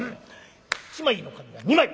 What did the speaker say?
１枚の紙が２枚！